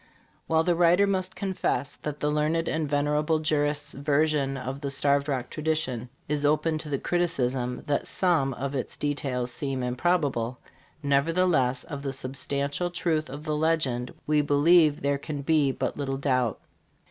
While the writer must confess that the learned and venerable jurist's version of the Starved Rock tradition is open to the criticism that some of its details seem improbable, nevertheless of the substantial truth of the legend, we believe there can be but little doubt.